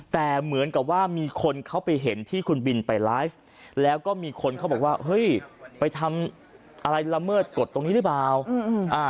แต่เหมือนกับว่ามีคนเขาไปเห็นที่คุณบินไปไลฟ์แล้วก็มีคนเขาบอกว่าเฮ้ยไปทำอะไรละเมิดกฎตรงนี้หรือเปล่าอืมอ่า